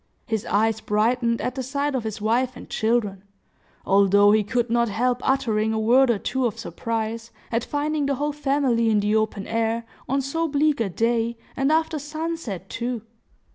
His eyes brightened at the sight of his wife and children, although he could not help uttering a word or two of surprise, at finding the whole family in the open air, on so bleak a day, and after sunset too.